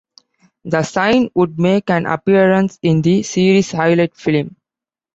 The sign would make an appearance in the Series highlight film.